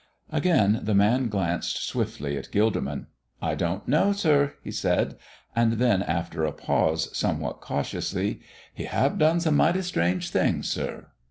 Again the man glanced swiftly at Gilderman. "I don't know, sir," he said. And then, after a pause, somewhat cautiously: "He have done some mighty strange things, sir."